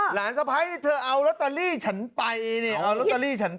หลานสภัยนี่เธอเอาลอตเตอรี่ฉันไป